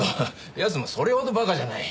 奴もそれほどバカじゃない。